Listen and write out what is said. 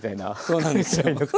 そうなんですよ。